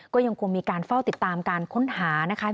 ก็ยังคงมีการเฝ้าติดตามการค้นหานะคะ